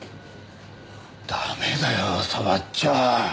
ダメだよ触っちゃ。